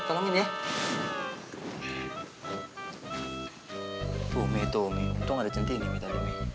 ya tolongin ya